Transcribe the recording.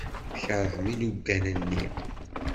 Tkeṛhem ilugan-nni.